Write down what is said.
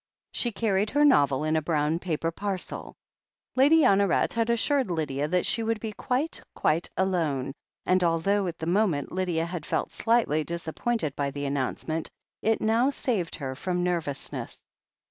She carried her novel in a brown paper parcel. Lady Honoret had assured Lydia that she would be quite, quite alone, and although at the moment Lydia had felt slightly disappointed by the annoimcement, it now saved her from nervousness.